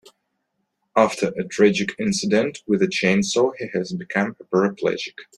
After a tragic accident with a chainsaw he has become a paraplegic.